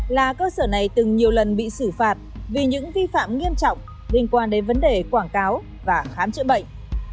là cơ sở này từng nhiều lần bị xử phạt vì những vi phạm nghiêm trọng liên quan đến vấn đề quảng cáo và khám chữa bệnh